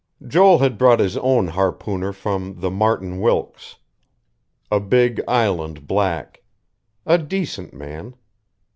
Joel had brought his own harpooner from the Martin Wilkes. A big Island black. A decent man....